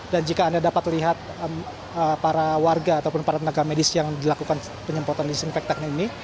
dan jika anda dapat lihat para warga ataupun para tenaga medis yang dilakukan penyemprotan disinfektan ini